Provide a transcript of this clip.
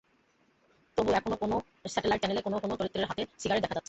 তবু এখনো কোনো স্যাটেলাইট চ্যানেলে কোনো কোনো চরিত্রের হাতে সিগারেট দেখা যাচ্ছে।